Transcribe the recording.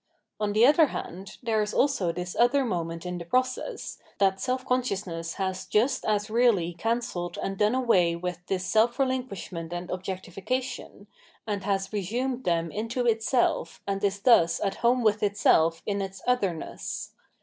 On the other hand, there is also this other moment in the process, that self consciousness has just as really cancelled and done away with this self relinquishment and objectification, and has resumed them into itself, and is thus at home with itself in its otherness.